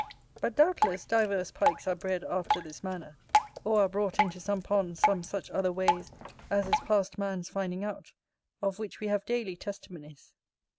But, doubtless, divers Pikes are bred after this manner, or are brought into some ponds some such other ways as is past man's finding out, of which we have daily testimonies.